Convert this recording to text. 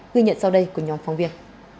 ghi nhận sau đây của nhóm phóng viên